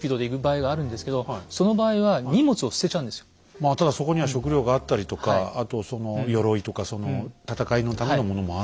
まあただそこには食料があったりとかあとその鎧とか戦いのためのものもある。